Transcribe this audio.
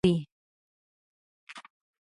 که پښتانه وګوري لوی عیب دی.